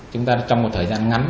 chúng ta trong một thời gian ngắn